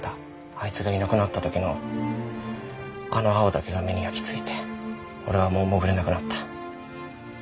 あいつがいなくなった時のあの青だけが目に焼き付いて俺はもう潜れなくなった。